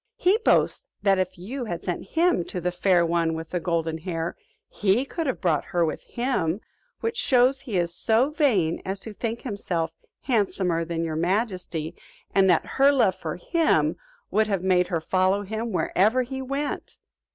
He boasts that if you had sent him to the Fair One with the Golden Hair, he could have brought her with him; which shows he is so vain as to think himself handsomer than your majesty and that her love for him would have made her follow him wherever he went."